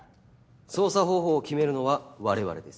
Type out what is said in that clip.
捜査方法を決めるのは我々です。